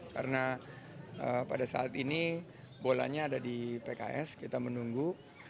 karena pada saat ini bolanya ada di pks kita menunggu